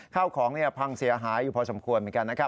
ข้าวของพังเสียหายอยู่พอสมควรเหมือนกันนะครับ